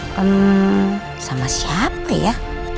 ehm sama siapa ya